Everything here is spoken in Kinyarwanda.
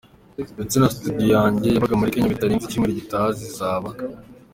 ndetse na studio yanjye yabaga muri Kenya bitarenze icyumweru gitaha nzaba.